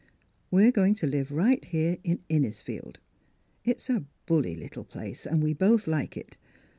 We're going to live right here in Innisfield. It's a bully little place and we both like it.